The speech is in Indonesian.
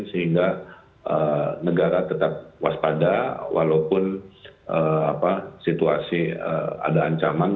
sehingga negara tetap waspada walaupun situasi ada ancaman